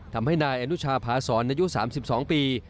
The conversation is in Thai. ทำให้นายอนุชาพาศรอายุ๓๒ปี